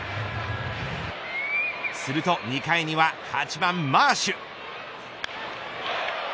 すると２回には８番マーシュ。